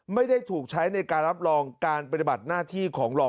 ไม่ได้ถูกใช้ในการรับรองการปฏิบัติหน้าที่ของรอง